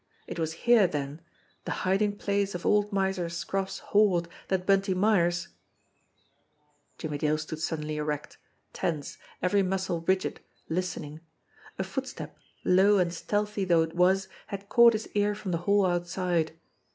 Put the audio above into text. It was here, then, the hiding place of old Miser Scroff's hoard that Bunty Myers Jimmie Dale stood suddenly erect, tense, every muscle rigid, listening. A footstep, low and stealthy though it was, had caught his ear from the hall outside.